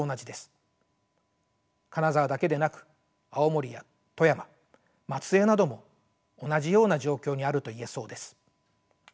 金沢だけでなく青森や富山松江なども同じような状況にあると言えそうです。